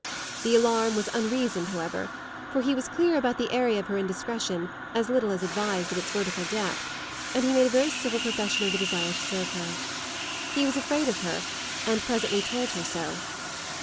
The alarm was unreasoned, however; for he was clear about the area of her indiscretion as little as advised of its vertical depth, and he made a very civil profession of the desire to serve her. He was afraid of her and presently told her so.